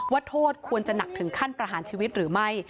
โทษควรจะหนักถึงขั้นประหารชีวิตหรือไม่